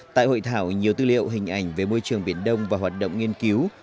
tại hội thảo nhiều tư liệu hình ảnh về môi trường biển đông và hoạt động nghiên cứu